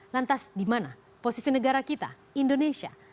lantas di mana posisi negara kita indonesia